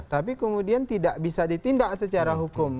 tapi kemudian tidak bisa ditindak secara hukum